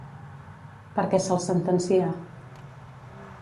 Per què se'ls sentencia?